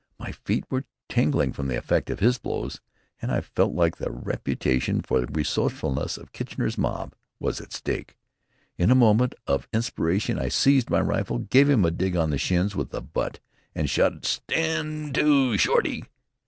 My feet were tingling from the effect of his blows, and I felt that the reputation for resourcefulness of Kitchener's Mob was at stake. In a moment of inspiration I seized my rifle, gave him a dig in the shins with the butt, and shouted, "Stand to, Shorty!"